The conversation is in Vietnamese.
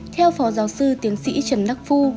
theo phó giáo sư tiến sĩ trần đắc phu